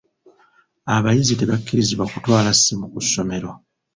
Abayizi tebakkirizibwa kutwala ssimu ku ssomero.